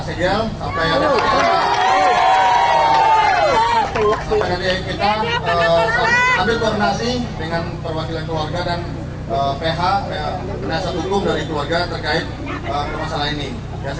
memang pas kejadian itu tapi tidak pernah mendatangkan cctv sama segala itu tidak pernah